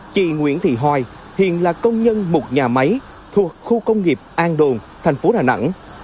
chị nguyễn thị hoài hiện là công nhân một nhà máy thuộc khu công nghiệp an đồn thành phố đà nẵng